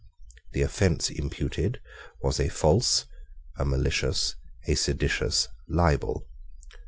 The offence imputed was a false, a malicious, a seditious libel.